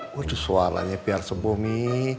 waduh suaranya biar sembuh mi